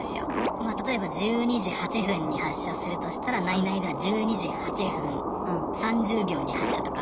まあ例えば１２時８分に発車するとしたら内々では１２時８分３０秒に発車とか。